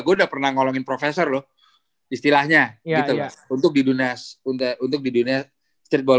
gue udah pernah ngolongin professor loh istilahnya gitu loh untuk di dunia streetball